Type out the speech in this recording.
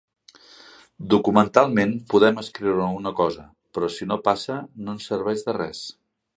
Documentalment podem escriure una cosa, però si no passa, no ens serveix de res.